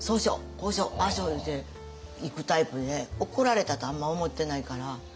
こうしようああしよういうていくタイプで怒られたとあんま思ってないから。